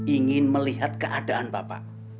ingin melihat keadaan bapak